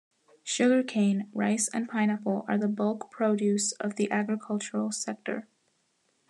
Sugar cane, rice and pineapple are the bulk produce of the agricultural sector.